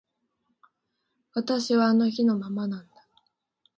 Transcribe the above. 私はあの日のままなんだ